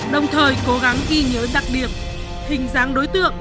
đồng thời cố gắng ghi nhớ đặc điểm hình dáng đối tượng